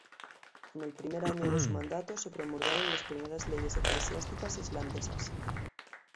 En el primer año de su mandato se promulgaron las primeras leyes eclesiásticas islandesas.